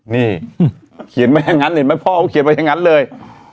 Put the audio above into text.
นี่เขียนไว้อย่างนั้นเห็นไหมพ่อเขาเขียนไว้อย่างนั้นเลย